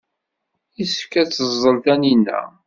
Yessefk ad teẓẓel Tanina.